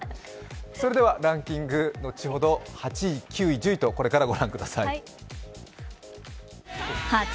それではランキング、後ほど８位、９位、１０位とこれからご覧ください。